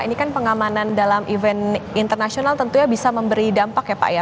ini kan pengamanan dalam event internasional tentunya bisa memberi dampak ya pak ya